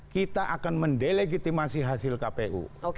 kita akan mendelegitimasi hasil kpu